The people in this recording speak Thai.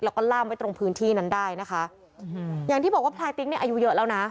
แล้วก็ล่ามไว้ตรงพื้นที่นั้นได้นะคะอย่างที่บอกว่าพลายติ๊กเนี่ยอายุเยอะแล้วนะ